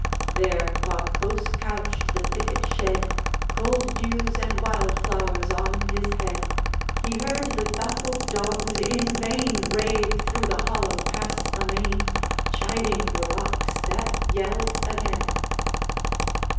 There, while close couched the thicket shed Cold dews and wild flowers on his head, He heard the baffled dogs in vain Rave through the hollow pass amain, Chiding the rocks that yelled again.